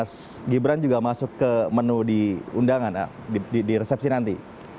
mas gibran juga masuk ke menu di undangan di resepsi nanti